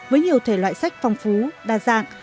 với nhiều thể loại sách phong phú đa dạng